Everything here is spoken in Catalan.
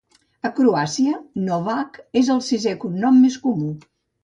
A Croàcia, Novak és el sisè cognom més comú.